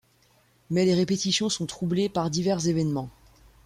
Mais les répétitions sont troublées par divers événements.